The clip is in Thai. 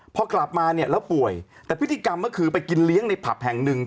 พอกลับมาเนี่ยแล้วป่วยแต่พฤติกรรมก็คือไปกินเลี้ยงในผับแห่งหนึ่ง